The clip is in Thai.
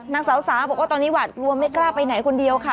นางสาวสาบอกว่าตอนนี้หวาดกลัวไม่กล้าไปไหนคนเดียวค่ะ